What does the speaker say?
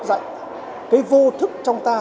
dạy cái vô thức trong ta